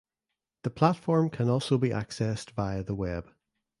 The platform can also be accessed via the web.